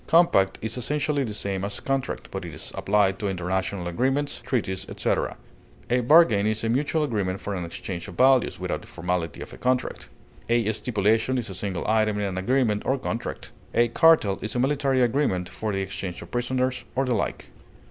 Compact is essentially the same as contract, but is applied to international agreements, treaties, etc. A bargain is a mutual agreement for an exchange of values, without the formality of a contract. A stipulation is a single item in an agreement or contract. A cartel is a military agreement for the exchange of prisoners or the like.